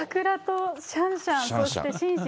桜とシャンシャン、そしてシンシン。